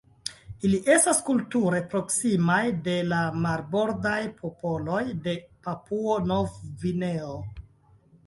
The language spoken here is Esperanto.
Ili estas kulture proksimaj de la marbordaj popoloj de Papuo-Nov-Gvineo.